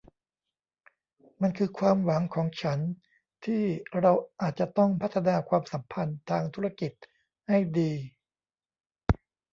มันคือความหวังของฉันที่เราอาจจะต้องพัฒนาความสัมพันธ์ทางธุรกิจให้ดี